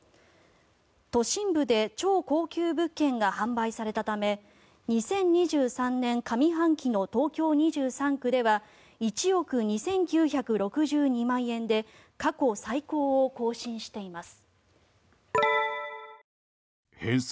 都心部で超高級物件が販売されたため２０２３年上半期の東京２３区では１億２９６２万円で過去最高を更新しています。